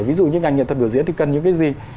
ví dụ như ngành nhận thật biểu diễn thì cần những cái gì